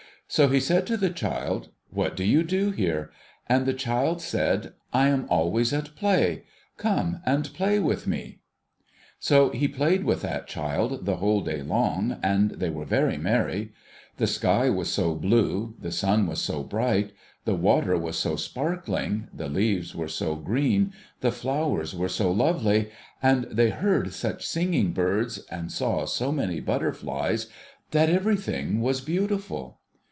So he said to the child, ' What do you do here ?' And the child said, * I am always at play. Come and play with me !' So, he played with that child, the whole day long, and they were very merry. The sky was so blue, the sun was so bright, the water was so sparkling, the leaves were so green, the flowers were so lovely, and they heard such singing birds and saw so many butter flies, that everything was beautiful.